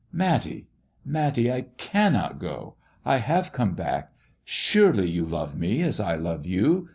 " Matty ! Matty ! I cannot go ! I have come back. Surely you love me as I love you